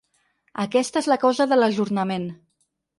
Aquesta és la causa de l’ajornament.